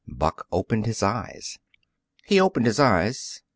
Buck opened his eyes. He opened his eyes.